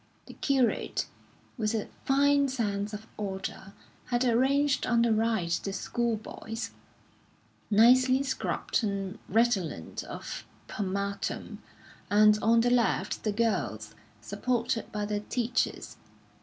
The curate, with a fine sense of order, had arranged on the right the school boys, nicely scrubbed and redolent of pomatum; and on the left the girls, supported by their teachers.